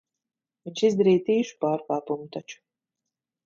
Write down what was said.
Viņš izdarīja tīšu pārkāpumu taču.